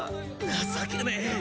情けねえ。